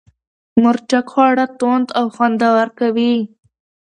مرچک خواړه توند او خوندور کوي.